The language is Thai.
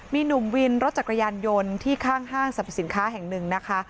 มีหนุ่มวินรถจักรยานยนต์ที่ข้างห้างสรรพสินค้าแห่งหนึ่งนะคะ